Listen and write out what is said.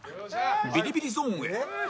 ビリビリゾーンへ